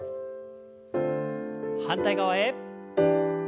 反対側へ。